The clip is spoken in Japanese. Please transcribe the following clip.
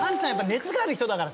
熱がある人だから。